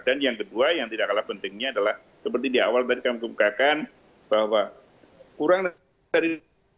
dan yang kedua yang tidak kalah pentingnya adalah seperti di awal tadi kami kebukakan bahwa kurang dari